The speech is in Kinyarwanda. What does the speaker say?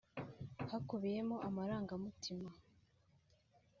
hakubiyemo amarangamutima